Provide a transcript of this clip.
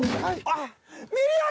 あっ。